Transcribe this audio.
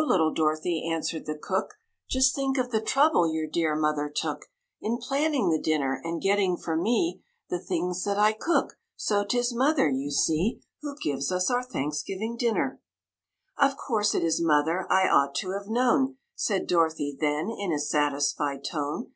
little Dorothy," answered the cook, "Just think of the trouble your dear mother took In planning the dinner and getting for me The things that I cook; so, 'tis Mother, you see, Who gives us our Thanksgiving Dinner." "Of course it is Mother; I ought to have known," Said Dorothy then, in a satisfied tone.